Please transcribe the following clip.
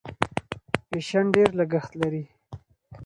فیشن ډېر لګښت لري.